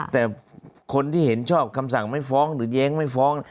แต่คนที่เห็นชอบคำสั่งไม่ฟ้องหรือแย้งไม่ฟ้อง